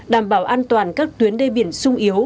đảm bảo an toàn các tuyến đê biển sung yếu